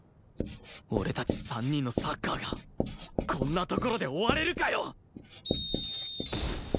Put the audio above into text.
俺たち３人のサッカーがこんなところで終われるかよ！